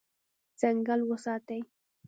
ځنګل وساتئ.